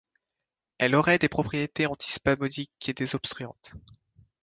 Elle aurait des propriétés antispasmodiques et désobstruantes.